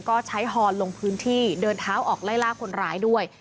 ก็ใช้ฮอนลงพื้นที่เดินเท้าออกไล่ล่าคนร้ายด้วย